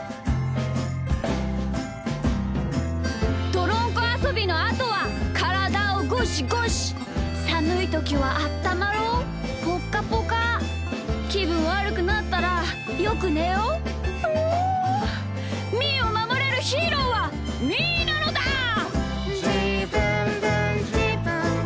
「どろんこあそびのあとはからだをゴシゴシ」「さむいときはあったまろうぽっかぽか」「きぶんわるくなったらよくねよう！」「みーをまもれるヒーローはみーなのだー！」